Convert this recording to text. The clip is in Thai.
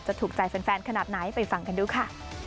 ถูกใจแฟนขนาดไหนไปฟังกันดูค่ะ